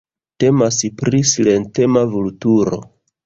Temas pri silentema vulturo.